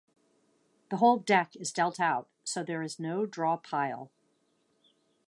The whole deck is dealt out so there is no draw pile.